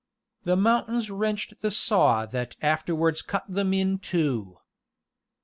The mountains wrenched the saw that afterwards cut them in two.